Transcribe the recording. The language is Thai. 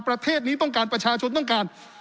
ประเทศนี้ต้องการประชาชนต้องการ